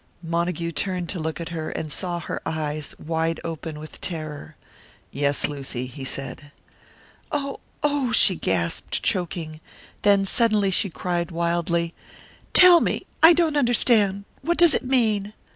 Montague turned to look at her, and saw her eyes, wide open with terror. "Yes, Lucy," he said. "Oh, oh!" she gasped, choking; then suddenly she cried wildly, "Tell me! I don't understand what does it mean?"